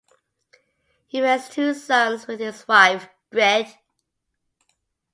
He raised two sons with his wife Grete.